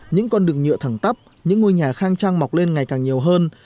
những con đường nhựa thẳng tắp những ngôi nhà khang trang mọc lên ngày càng nhiều hơn